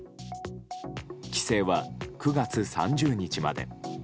規制は９月３０日まで。